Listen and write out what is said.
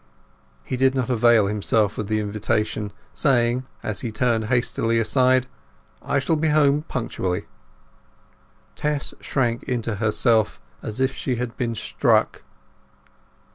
He did not avail himself of the invitation, saying, as he turned hastily aside— "I shall be home punctually." Tess shrank into herself as if she had been struck.